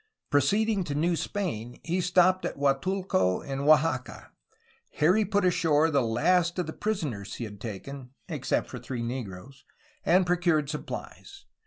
Proceeding to New Spain he stopped at Guatulco in Oaxaca. Here he put ashore the last of the prisoners he had taken, except for three negroes, and procured supplies.